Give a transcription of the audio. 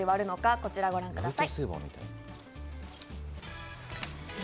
こちらご覧ください。